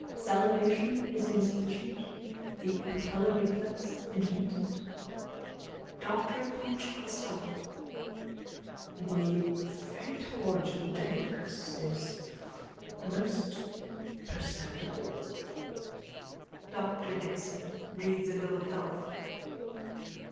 Salivation is insufficient, the patellar reflex intermittent. DR PUNCH COSTELLO: The fetor judaicus is most perceptible. DR DIXON: _(Reads a bill of health.)